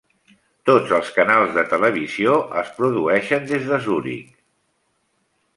Tots els canals de televisió es produeixen des de Zuric.